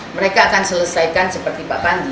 mereka akan selesaikan seperti pak panji